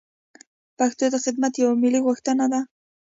پښتو ته خدمت یوه ملي غوښتنه ده.